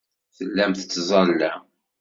Tellam tettẓallam.